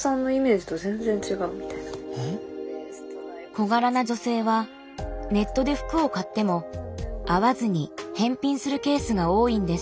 小柄な女性はネットで服を買っても合わずに返品するケースが多いんです。